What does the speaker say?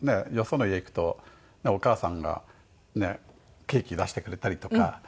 その家行くとお母さんがねえケーキ出してくれたりとか。